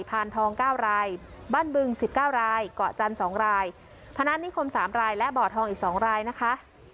พานทองเก้ารายบ้านบึง๑๙รายเกาะจันทร์๒รายพนักนิคมสามรายและบ่อทองอีก๒รายนะคะ